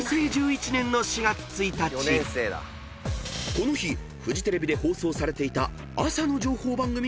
［この日フジテレビで放送されていた朝の情報番組がスタート］